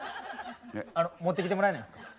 あの持ってきてもらえないんですか？